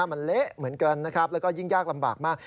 มันเละเหมือนกันนะครับแล้วก็ยิ่งยากลำบากมาก